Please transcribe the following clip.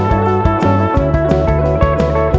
sunoe san gaat nantai menengah